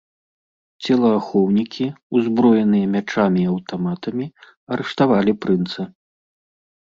Целаахоўнікі, узброеныя мячамі і аўтаматамі, арыштавалі прынца.